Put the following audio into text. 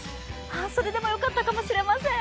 半袖でも良かったかもしれません。